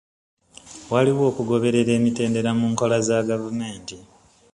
Waliwo okugoberera emitendera mu nkola za gavumenti.